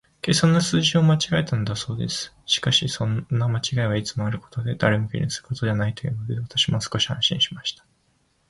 計算の数字を間違えたのだそうです。しかし、そんな間違いはいつもあることで、誰も気にするものはないというので、私も少し安心しました。